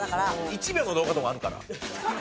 １秒の動画とかあるから。